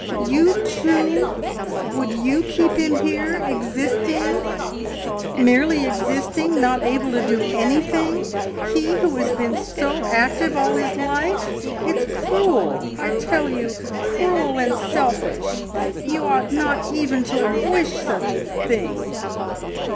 You too? Would you keep him here, existing merely existing not able to do anything he who has been so active all his life! It's cruel, I tell you cruel and selfish! You ought not even to wish such a thing!"